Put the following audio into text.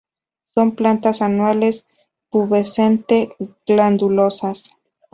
Son plantas anuales, pubescente-glandulosas.